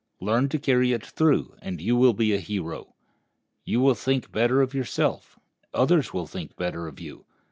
Learn to carry it through, and you will be a hero. You will think better of yourself. Others will think better of you.